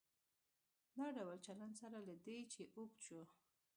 دا ډول چلن سره له دې چې اوږد شو.